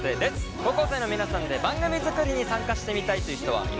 高校生の皆さんで番組作りに参加してみたいという人はいませんか？